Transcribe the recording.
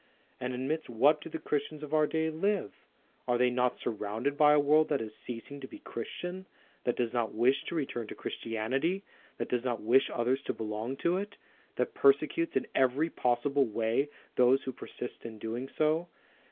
And amidst what do the Christians of our day live ? Are they not surrounded by a world that is ceasing to be Christian ; that does not wish to return to Christianity, that does not wish others to belong to it, that persecutes in every possible way those who persist in doing so?